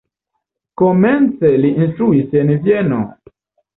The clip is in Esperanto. Komence li instruis en Vieno.